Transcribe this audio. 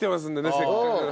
せっかく。